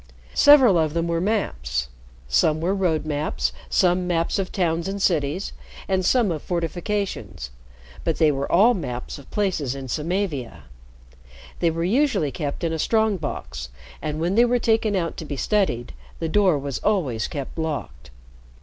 Several of them were maps. Some were road maps, some maps of towns and cities, and some of fortifications; but they were all maps of places in Samavia. They were usually kept in a strong box, and when they were taken out to be studied, the door was always kept locked.